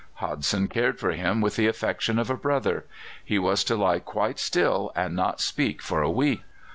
Hodson cared for him with the affection of a brother. He was to lie quite still and not speak for a week.